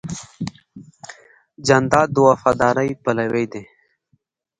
جانداد د وفادارۍ پلوی دی.